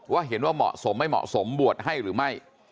เห็นว่าเหมาะสมไม่เหมาะสมบวชให้หรือไม่